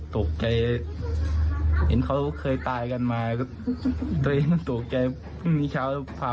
ตกใจเห็นเขาเคยตายกันมาตัวเองตกใจพรุ่งนี้เช้าพา